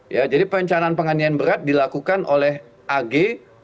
ya jadi perencanaan penganiayaan berat dilakukan oleh agh